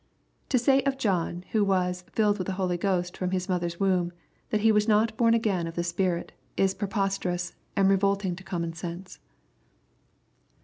To say a John, who was " filled with the Holy Ghost fix>m his mothei^s womb," that he was not bom again of the Spirity is preposterous, and revolting to conmion sense.